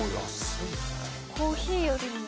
コーヒーよりも。